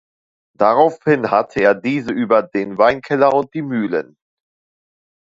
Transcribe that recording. Daraufhin hatte er diese über den Weinkeller und die Mühlen.